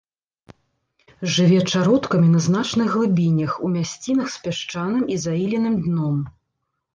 Жыве чародкамі на значных глыбінях, у мясцінах з пясчаным і заіленым дном.